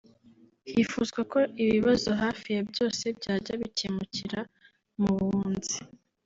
Hifuzwa ko ibibazo hafi ya byose byajya bikemukira mu bunzi